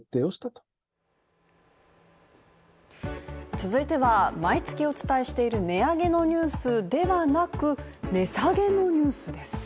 続いては毎月お伝えしている値上げのニュースではなく、値下げのニュースです。